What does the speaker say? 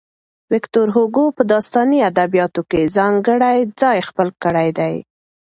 ويکټور هوګو په داستاني ادبياتو کې ځانګړی ځای خپل کړی دی.